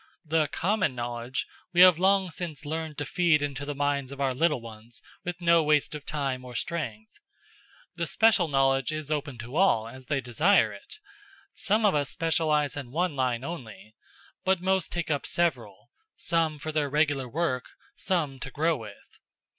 The common knowledge we have long since learned to feed into the minds of our little ones with no waste of time or strength; the special knowledge is open to all, as they desire it. Some of us specialize in one line only. But most take up several some for their regular work, some to grow with."